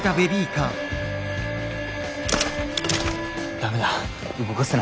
ダメだ動かせない。